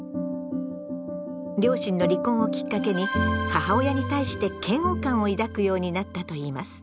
両親の離婚をきっかけに母親に対して嫌悪感を抱くようになったといいます。